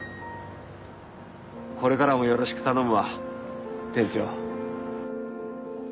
これからもよろしく頼むわ店長。